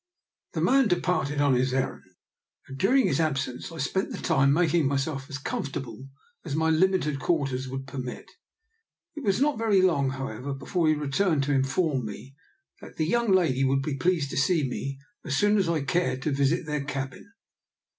The man departed on his errand, and dur ing his absence I spent the time making my self as comfortable as my limited quarters would permit. It was not very long, how ever, before he returned to inform me that the young lady would be pleased to see me as soon as I cared to visit their cabin.